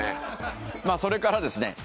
それからですね